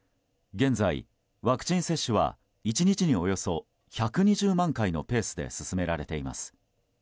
現在、ワクチン接種は１日におよそ１２０万回のペースで進められています。